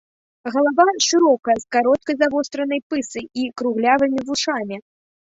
Галава шырокая з кароткай завостранай пысай і круглявымі вушамі.